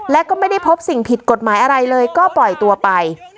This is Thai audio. และก็ไม่ได้พบสิ่งผิดกฎหมายอะไรเลยก็ปล่อยตัวไป